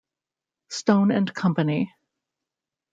Stone and Company.